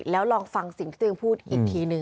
แล้วลองฟังสิ่งที่ตัวเองพูดอีกทีนึง